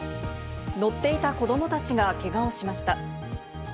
乗っていた子供たちがけがをしました。